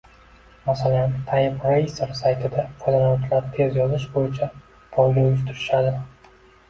Masalan, typeracer saytida foydalanuvchilar tez yozish bo’yicha poyga uyushtirishadi